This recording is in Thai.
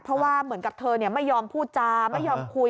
เพราะว่าเหมือนกับเธอไม่ยอมพูดจาไม่ยอมคุย